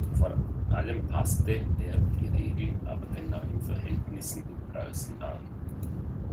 Vor allem passte er die Regel aber den neuen Verhältnissen in Preußen an.